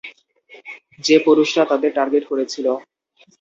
যে পুরুষরা তাদের টার্গেট করেছিল।